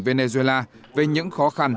venezuela về những khó khăn